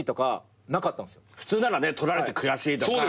普通ならね取られて悔しいとか。